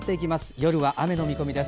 夜は雨の見込みです。